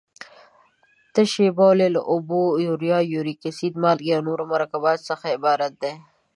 تشې بولې له اوبو، یوریا، یوریک اسید، مالګې او نورو مرکباتو څخه عبارت دي.